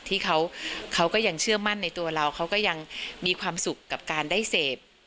ที่เขาก็ยังเชื่อมั่นในตัวเราเขาก็ยังมีความสุขกับการได้เสพ